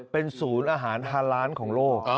เป็นศูนย์อาหารฮาล้านของโลก